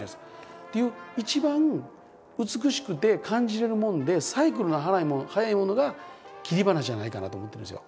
っていう一番美しくて感じれるものでサイクルの早いものが切り花じゃないかなと思ってるんですよ。